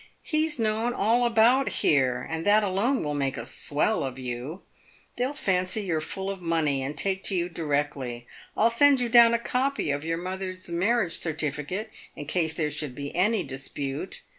He's known all about here, and that alone will make a swell of you. They'll fancy you're full of money, and take to you directly. I'll send you down a copy of your mother's marriage certificate, in case there should be any dispute.